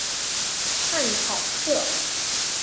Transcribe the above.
汉考克。